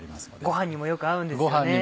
ご飯にもよく合うんですよね。